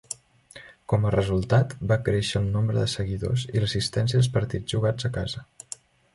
Com a resultat, va créixer el nombre de seguidors i l'assistència als partits jugats a casa.